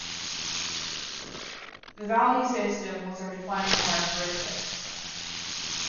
The value system was their defining characteristic.